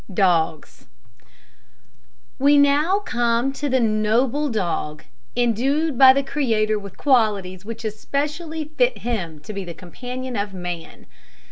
DOGS. We now come to the noble Dog, indued by the Creator with qualities which especially fit him to be the companion of man.